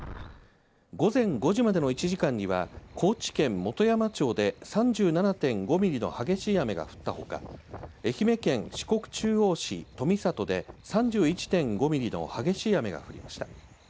午前５時までの１時間には高知県本山町で３７．５ミリの激しい雨が降ったほか愛媛県四国中央市富郷で３１．５ミリの激しい雨が降りました。